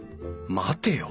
待てよ。